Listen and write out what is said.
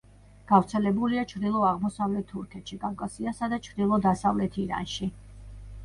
გავრცელებულია ჩრდილო-აღმოსავლეთ თურქეთში, კავკასიასა და ჩრდილო-დასავლეთ ირანში.